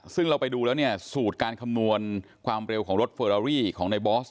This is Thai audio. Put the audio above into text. ซึ่งเราไปดูแล้วเนี่ยสูตรการคำนวณความเร็วของรถเฟอรารี่ของในบอส